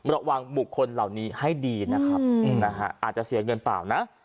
ระวังบุคคลเหล่านี้ให้ดีนะครับอาจจะเสียเงินเปล่านะ